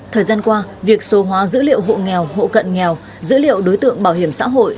thời gian qua việc số hóa dữ liệu hộ nghèo hộ cận nghèo dữ liệu đối tượng bảo hiểm xã hội